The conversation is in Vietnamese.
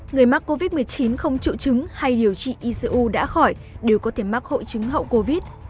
người mắc covid một mươi chín không triệu chứng hay điều trị icu đã khỏi đều có thể mắc hội chứng hậu covid